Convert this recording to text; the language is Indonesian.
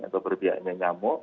atau berbiaknya nyamuk